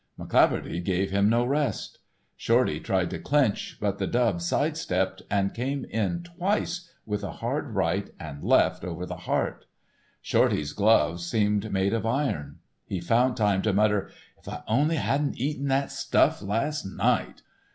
McCleaverty gave him no rest. Shorty tried to clinch, but the dub sidestepped, and came in twice with a hard right and left over the heart. Shorty's gloves seemed made of iron; he found time to mutter, "If I only hadn't eaten that stuff last night."